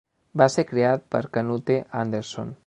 Va ser creat per Canute Anderson.